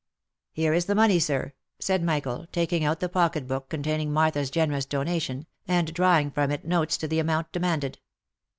"*' Here is the money, sir," said Michael, taking out the pocket book containing Martha's generous donation, and drawing from it notes to the amount demanded.